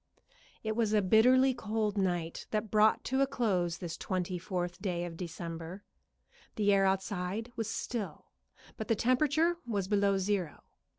It was a bitterly cold night that brought to a close this twenty fourth day of December. The air outside was still, but the temperature was below zero.